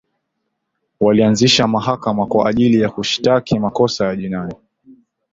walianzisha mahakama kwa ajili ya kushitaki makosa ya jinai